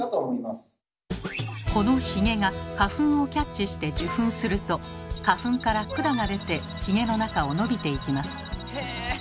このヒゲが花粉をキャッチして受粉すると花粉から管が出てヒゲの中を伸びていきます。